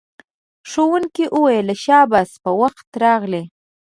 ښوونکی وویل شاباس په وخت راغلئ.